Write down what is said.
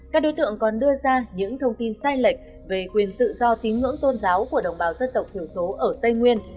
các đối tượng còn đưa ra những thông tin sai lệch về quyền tự do tín ngưỡng tôn giáo của đồng bào dân tộc thiểu số ở tây nguyên